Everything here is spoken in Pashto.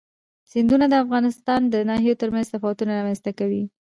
سیندونه د افغانستان د ناحیو ترمنځ تفاوتونه رامنځ ته کوي.